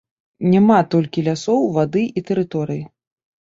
Няма толькі лясоў, вады і тэрыторыі.